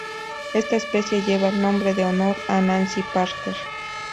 Esta especie lleva el nombre en honor a Nancy Parker.